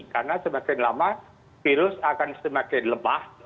karena semakin lama virus akan semakin lemah